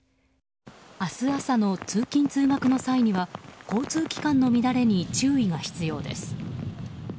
明日朝の通勤・通学の際には交通機関の乱れに注意が必要です。